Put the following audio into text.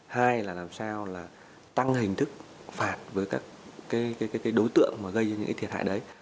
hai là làm sao tăng hình thức phạt với các đối tượng gây ra những thiệt hại đấy